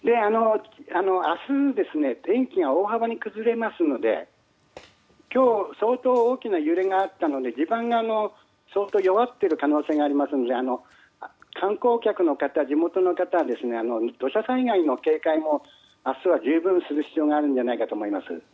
明日、天気が大幅に崩れますので今日、相当大きな揺れがあったので地盤が弱っている可能性がありますので観光客の方、地元の方は土砂災害への警戒も明日は十分する必要があるんじゃないかと思います。